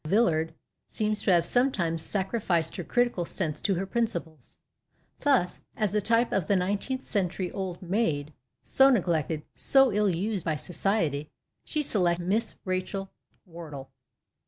Villard seems to have sometimes sacrificed her critical sense to her principles. Thus, as a type of tiie nineteenth century " old maid/' so neglected, so ill used by society, she selects Miss Rachel Wardle